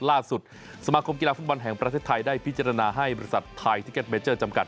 ล่าสุดสมาคมกีฬาฟุตบอลแห่งประเทศไทยได้พิจารณาให้บริษัทไทยทิเก็ตเมเจอร์จำกัด